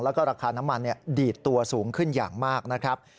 แล้วก็ราคาน้ำมันดีดตัวสูงขึ้นอย่างมากนะครับ